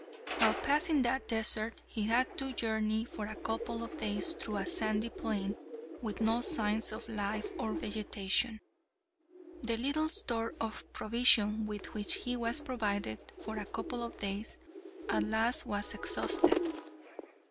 While passing that desert he had to journey for a couple of days through a sandy plain, with no signs of life or vegetation. The little store of provision with which he was provided for a couple of days, at last was exhausted.